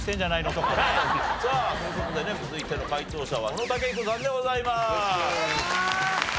さあという事でね続いての解答者は小野武彦さんでございます。